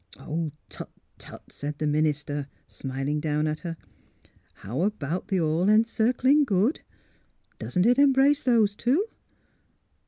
'' Tut tut! " said the minister, smiling down at her. '' How about the All Encircling Good? Doesn't it embrace those two?